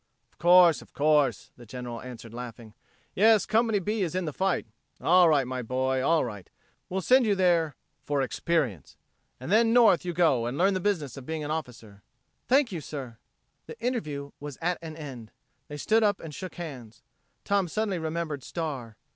"Of course, of course," the General answered, laughing. "Yes, Company B is in the fight. All right, my boy, all right. We'll send you there for experience! and then North you go and learn the business of being an officer." "Thank you, sir." The interview was at an end. They stood up and shook hands. Tom suddenly remembered Star.